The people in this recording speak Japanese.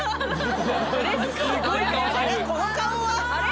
この顔は？